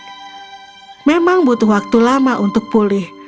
tapi memang butuh waktu lama untuk pulih